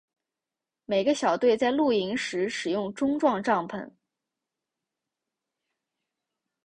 每个小队在露营时使用钟状帐篷。